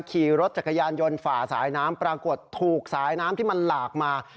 ขี่รถจักรยานยนต์ฝ่าสายน้ำปรากฏถูกสายน้ำที่มันหลากมา